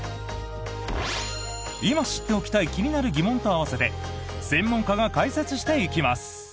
今知っておきたい気になる疑問と併せて専門家が解説していきます。